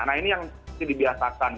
nah ini yang dibiasakan